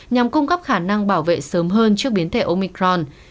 nhằm cung cấp khả năng bảo vệ sớm hơn trước biến thể omicron